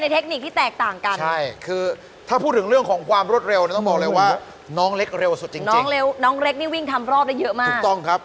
ถือว่าเป็นการแก้เคล็ดไปกันแล้วกัน